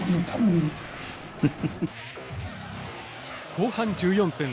後半１４分。